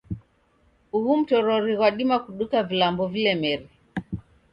Ughu mtorori ghwadima kuduka vilambo vilemere.